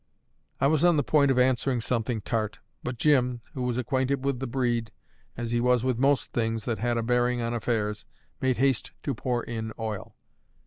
I was on the point of answering something tart; but Jim, who was acquainted with the breed, as he was with most things that had a bearing on affairs, made haste to pour in oil.